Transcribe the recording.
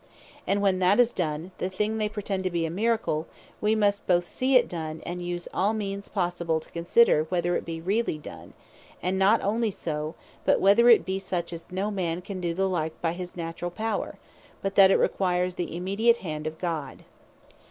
And when that is done, the thing they pretend to be a Miracle, we must both see it done, and use all means possible to consider, whether it be really done; and not onely so, but whether it be such, as no man can do the like by his naturall power, but that it requires the immediate hand of God.